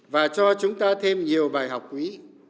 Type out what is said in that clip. và cho chúng ta thêm nhiều bài học quý